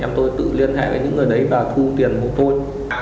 em tôi tự liên hệ với những người đấy và thu tiền của tôi